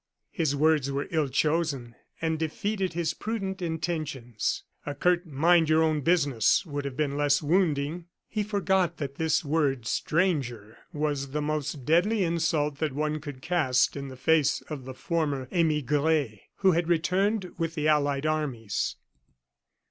His words were ill chosen, and defeated his prudent intentions. A curt "Mind your own business" would have been less wounding. He forgot that this word "stranger" was the most deadly insult that one could cast in the face of the former emigres, who had returned with the allied armies.